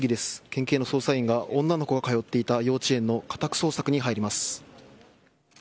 県警の捜査員が、女の子が通っていた幼稚園の家宅捜索に入ります。